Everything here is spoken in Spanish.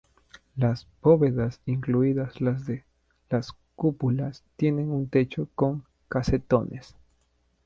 Las bóvedas, incluidas las de las cúpulas, tienen un techo con casetones.